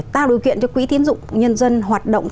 tạo điều kiện cho quỹ tiến dụng nhân dân hoạt động